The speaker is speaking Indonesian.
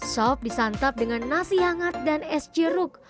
sop disantap dengan nasi hangat dan es jeruk